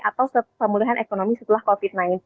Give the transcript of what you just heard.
atau pemulihan ekonomi setelah covid sembilan belas